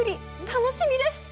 楽しみです。